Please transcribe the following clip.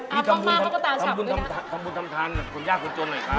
มีความบ้าเขาก็ตามฉับเลยครับความบุญทำทานส่วนยากของจนหน่อยครับ